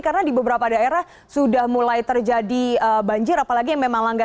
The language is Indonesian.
karena di beberapa daerah sudah mulai terjadi banjir apalagi yang memang langsung terjadi